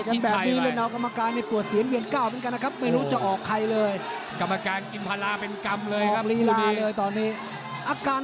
เกอร์แข้งมาทุกใหญ่แล้วตรงนี้ก็เป็นปัญหาเลยนะ